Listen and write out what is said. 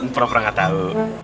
pernah pernah gak tau